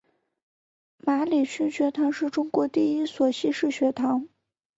马礼逊学堂是中国第一所西式学堂。